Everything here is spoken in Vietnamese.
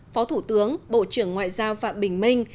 phó thủ tướng bộ trưởng ngoại giao phạm bình minh